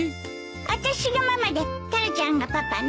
あたしがママでタラちゃんがパパね。